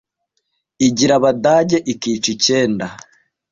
Igira Abadage ikica icyenda,